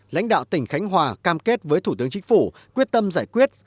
lãnh đạo tỉnh khánh hòa cam kết với thủ tướng chính phủ quyết tâm giải quyết